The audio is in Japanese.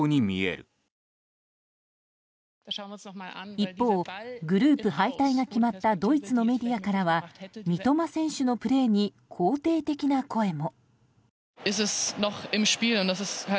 一方、グループ敗退が決まったドイツのメディアからは三笘選手のプレーに肯定的な声も。